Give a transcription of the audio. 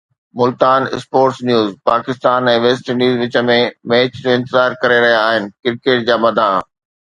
Multan (sports news) Pakistan ۽ West Indies وچ ۾ match جو انتظار ڪري رهيا آهن ڪرڪيٽ جا مداح